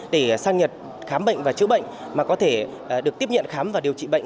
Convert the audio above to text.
để sang nhật khám bệnh và chữa bệnh mà có thể được tiếp nhận khám và điều trị bệnh